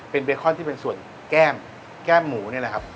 เป็นเบคอนที่เป็นส่วนแก้มแก้มหมูนี่แหละครับ